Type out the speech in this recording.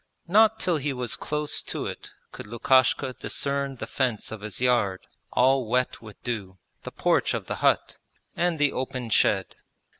Not till he was close to it could Lukishka discern the fence of his yard, all wet with dew, the porch of the hut, and the open shed.